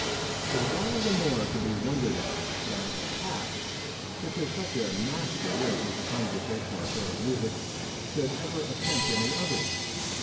It is all the more to be wondered at that a cat, which is such a master of this conversational sort of music, should ever attempt any other.